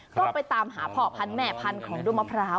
ก็ไปตามหาพ่อพันธุ์แม่พันธุ์ของด้วงมะพร้าว